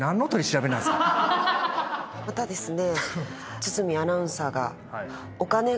またですね。